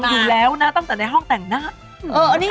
อยู่แล้วนะตั้งแต่ในห้องแต่งหน้า